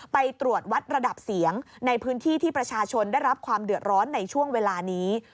ไปตรวจวัดระดับเสียงในพื้นที่ที่ประชาชนได้รับความเดือดร้อนในช่วงเวลานี้